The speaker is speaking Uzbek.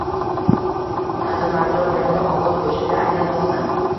Tallimarjon yanada obod go‘shaga aylanmoqda